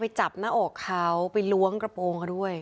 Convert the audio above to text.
จับหน้าอกเขาไปล้วงกระโปรงเขาด้วย